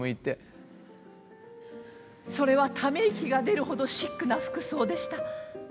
それはため息が出るほどシックな服装でした。